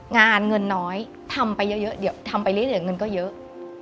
งานเงินน้อยทำไปเยอะเดี๋ยวทำไปเรื่อยเงินก็เยอะ